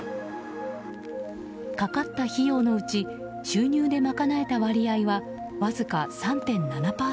かかった費用のうち収入で賄えた割合はわずか３．７％。